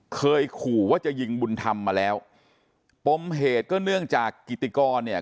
เคยขู่ว่าจะยิงบุญธรรมมาแล้วปมเหตุก็เนื่องจากกิติกรเนี่ย